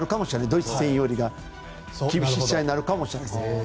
ドイツ戦よりも厳しい試合になるかもしれないです。